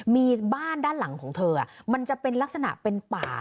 มีบ้านด้านหลังของเธอมันจะเป็นลักษณะเป็นป่า